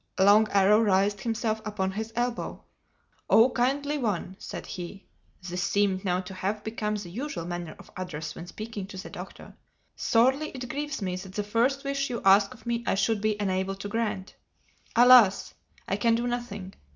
Long Arrow raised himself upon his elbow. "Oh Kindly One," said he (this seemed now to have become the usual manner of address when speaking to the Doctor), "sorely it grieves me that the first wish you ask of me I should be unable to grant. Alas! I can do nothing.